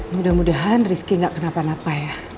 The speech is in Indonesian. mudah mudahan rizky gak kenapa napa ya